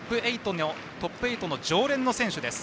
トップ８の常連の選手です。